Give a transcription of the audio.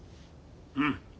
うん。